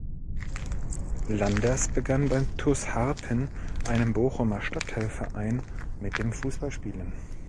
Landers begann beim TuS Harpen, einem Bochumer Stadtteilverein, mit dem Fußballspielen.